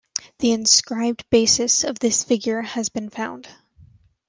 The inscribed basis of this figure has been found.